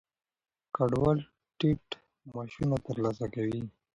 کډوال ټیټ معاشونه ترلاسه کوي.